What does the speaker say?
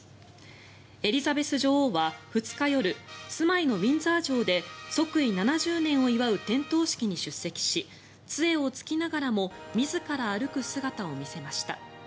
エリザベス女王は２日夜住まいのウィンザー城で即位７０年を祝う点灯式に出席し杖をつきながらも自ら歩く姿を見せました。